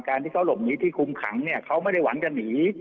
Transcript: ที่เขาหลบหนีที่คุมขังเนี่ยเขาไม่ได้หวังจะหนี